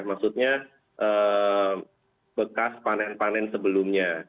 maksudnya bekas panen panen sebelumnya